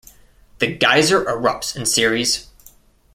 The geyser erupts in series.